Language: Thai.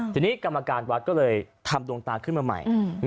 ทีนี้กรรมการวัดก็เลยทำดวงตาขึ้นมาใหม่